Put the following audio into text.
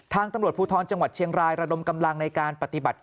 ตำรวจภูทรจังหวัดเชียงรายระดมกำลังในการปฏิบัติ